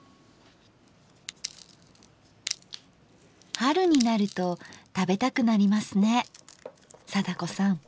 春になると食べたくなりますね貞子さん。